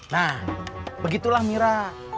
nah begitulah mira